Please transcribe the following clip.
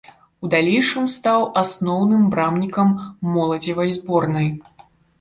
У далейшым стаў асноўным брамнікам моладзевай зборнай.